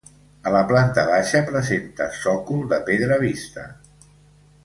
A la planta baixa presenta sòcol de pedra vista.